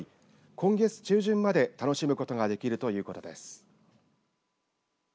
今月中旬まで楽しむことができるということです。